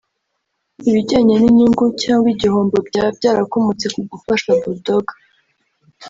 Ibijyanye n’inyungu cyangwa igihombo byaba byarakomotse ku gufasha Bull Dogg